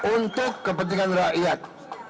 untuk kepentingan rakyat